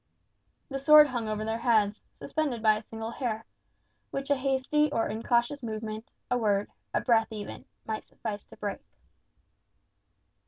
The sword hung over their heads, suspended by a single hair, which a hasty or incautious movement, a word, a breath even, might suffice to break.